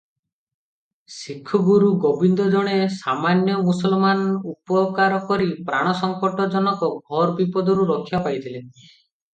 ଶିଖଗୁରୁ ଗୋବିନ୍ଦ ଜଣେ ସାମାନ୍ୟ ମୁସଲମାନଙ୍କ ଉପକାର କରି ପ୍ରାଣସଙ୍କଟ ଜନକ ଘୋର ବିପଦରୁ ରକ୍ଷା ପାଇଥିଲେ ।